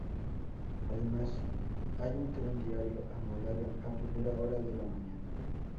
Además, hay un tren diario a Málaga, a primera hora de la mañana.